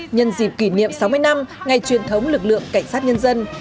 nhân dịp kỷ niệm sáu mươi năm ngày truyền thống lực lượng cảnh sát nhân dân